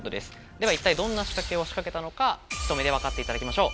では一体どんな仕掛けを仕掛けたのかひと目でわかっていただきましょう。